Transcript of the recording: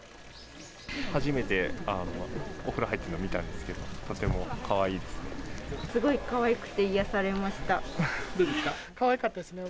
初めてお風呂入ってるの見たんですけど、とてもかわいいですね。